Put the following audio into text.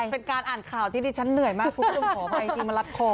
เป็นการอ่านข่าวดิฉันเหนื่อยมากคุ้งจงขอบพาจริงมารัดคลอง